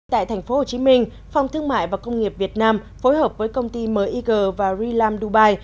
tại thành phố hồ chí minh phòng thương mại và công nghiệp việt nam phối hợp với công ty mig và rilam dubai